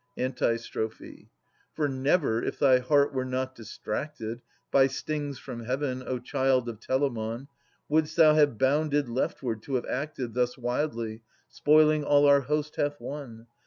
Antistrophe. For never, if thy heart were not distracted By stings from Heaven, O child of Telamon, Wouldst thou have bounded leftward, to have acted Thus wildly, spoiling all our host hath won